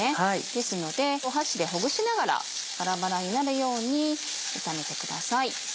ですので箸でほぐしながらバラバラになるように炒めてください。